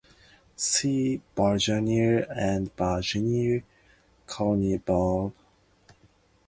"See Virginia and Virginia Colony, above"